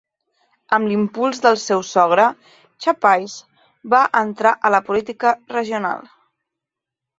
Amb l'impuls del seu sogre, Chapais va entrar a la política regional.